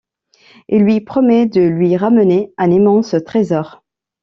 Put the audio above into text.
Il lui promet de lui ramener un immense trésor.